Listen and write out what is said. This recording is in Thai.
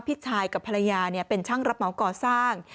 พี่ชายกับภรรยาเป็นช่างรับเหมาก่อสร้าง